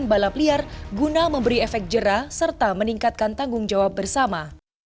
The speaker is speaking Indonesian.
dan balap liar guna memberi efek jerah serta meningkatkan tanggung jawab bersama